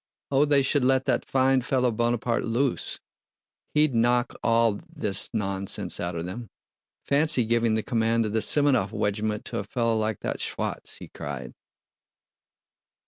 Oh, they should let that fine fellow Bonaparte loose—he'd knock all this nonsense out of them! Fancy giving the command of the Semënov wegiment to a fellow like that Schwa'tz!" he cried.